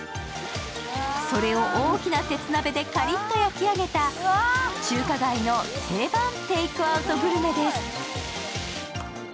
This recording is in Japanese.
それを大きな鉄鍋でカリッと焼き上げた中華街の定番テークアウトグルメです。